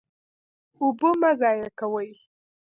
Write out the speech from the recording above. اوبه مه ضایع کوئ